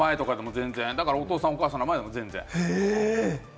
お父さん、お母さんの前でも全然。